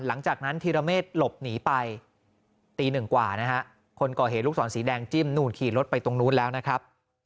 หลังจากนั้นธีรเมฆหลบหนีไปตีหนึ่งกว่านะฮะคนก่อเหตุลูกศรสีแดงจิ้มนู่นขี่รถไปตรงนู้นแล้วนะครับ